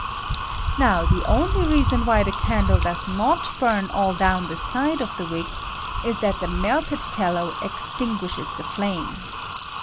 Now the only reason why the candle does not burn all down the side of the wick is that the melted tallow extinguishes the flame.